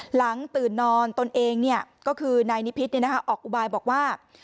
หลังตื่นนอนตนเองก็คือนายนิพิษออกอุบายบอกว่า